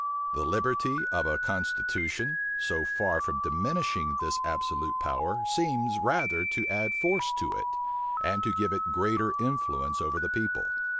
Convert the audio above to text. The liberty of a constitution, so far from diminishing this absolute power, seems rather to add force to it, and to give it greater influence over the people.